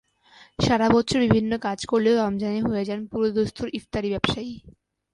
সারা বছর বিভিন্ন কাজ করলেও রমজানে হয়ে যান পুরোদস্তুর ইফতারি ব্যবসায়ী।